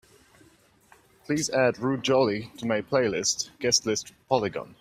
Please add Ruud Jolie to my playlist Guest List Polygon